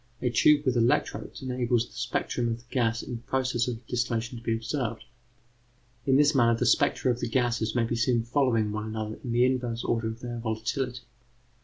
A tube with electrodes enables the spectrum of the gas in process of distillation to be observed. In this manner, the spectra of the various gases may be seen following one another in the inverse order of their volatility.